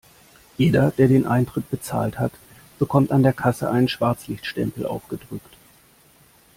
Jeder, der den Eintritt bezahlt hat, bekommt an der Kasse einen Schwarzlichtstempel aufgedrückt.